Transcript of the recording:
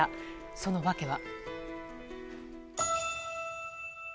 その訳は。